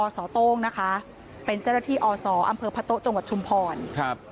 สโต้งนะคะเป็นเจ้าหน้าที่อศอำเภอพะโต๊ะจังหวัดชุมพรครับ